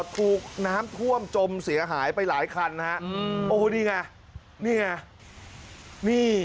ถูกน้ำท่วมจมเสียหายไปหลายคันนะฮะโอ้โหนี่ไงนี่ไงนี่